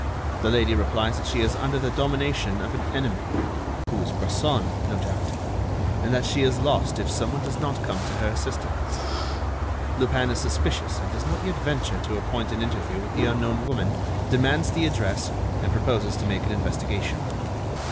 The lady replies that she is under the domination of an enemy—who is Bresson, no doubt—and that she is lost if some one does not come to her assistance. Lupin is suspicious and does not yet venture to appoint an interview with the unknown woman, demands the address and proposes to make an investigation.